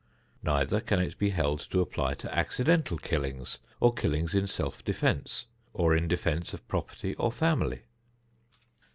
Neither can it be held to apply to accidental killings, or killings in self defense, or in defense of property or family.